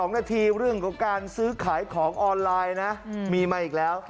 ๒นาทีเรื่องของการซื้อขายของออนไลน์นะมีมาอีกแล้ว